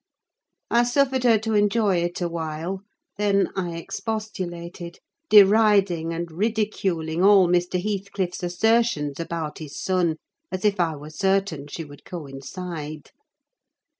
I suffered her to enjoy it a while; then I expostulated: deriding and ridiculing all Mr. Heathcliff's assertions about his son, as if I were certain she would coincide.